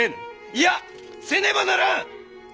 いやせねばならん！